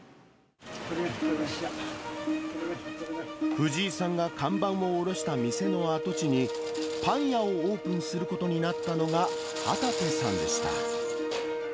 藤井さんが看板を下ろした店の跡地に、パン屋をオープンすることになったのが旗手さんでした。